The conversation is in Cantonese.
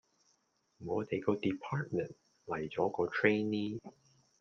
我哋個 Department 嚟咗個 Trainee